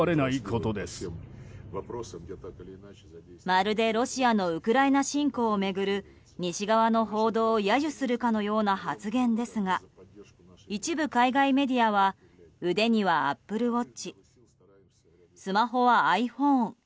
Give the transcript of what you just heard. まるでロシアのウクライナ侵攻を巡る西側の報道を揶揄するかのような発言ですが一部海外メディアは腕にはＡｐｐｌｅＷａｔｃｈスマホはｉＰｈｏｎｅ